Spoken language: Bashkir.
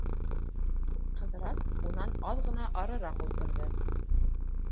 Ҡыҙырас унан аҙ ғына арыраҡ ултырҙы.